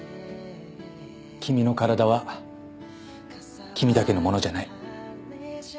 君の体は君だけのものじゃない。